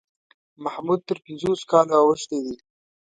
محمود تر پنځوسو کالو اوښتی دی.